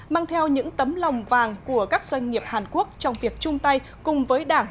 mang theo những tấm lòng vàng của các doanh nghiệp hàn quốc trong việc chung tay cùng với đảng